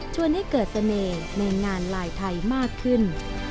ให้เกิดเสน่ห์ในงานลายไทยมากขึ้น